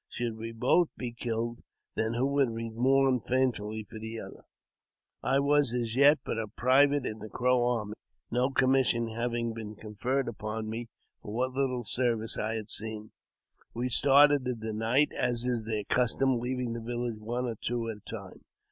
Should we both be killed, then who would mourn faithfully for the other ?" I JAMES P. BECKWOUBTH. 141 I was, as yet, but a private in the Crow army, no commis sion having been conferred upon me for what little service I had seen. We started in the night, as is their custom, leaving the village one or two at a time.